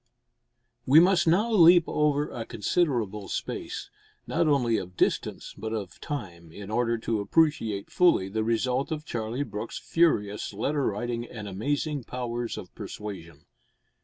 We must now leap over a considerable space, not only of distance, but of time, in order to appreciate fully the result of Charlie Brooke's furious letter writing and amazing powers of persuasion.